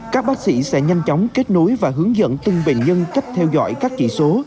các bác sĩ sẽ nhanh chóng kết nối và hướng dẫn từng bệnh nhân cách theo dõi các chỉ số